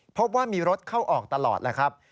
พบว่ามีรถเข้าออกตลอดแล้วครับ